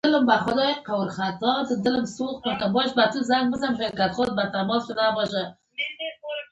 واصف علي د پاکستان تېز بالر وو.